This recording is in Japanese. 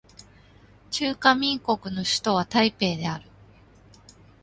中華民国の首都は台北である